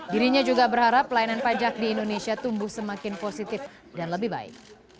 dirinya juga berharap pelayanan pajak di indonesia tumbuh semakin positif dan lebih baik